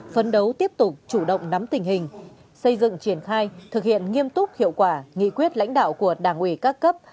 phấn đấu tiếp tục chủ động nắm tình hình xây dựng triển khai thực hiện nghiêm túc hiệu quả nghị quyết lãnh đạo của đảng ủy các cấp